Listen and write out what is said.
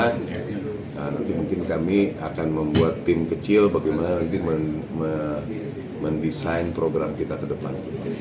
nanti mungkin kami akan membuat tim kecil bagaimana nanti mendesain program kita ke depan